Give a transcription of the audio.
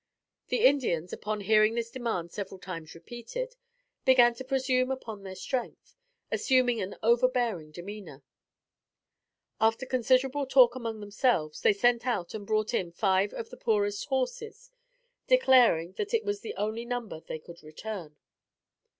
The Indians, upon hearing this demand several times repeated, began to presume upon their strength, assuming an overbearing demeanor. After considerable talk among themselves, they sent out and brought in five of the poorest horses, declaring that it was the only number they could return.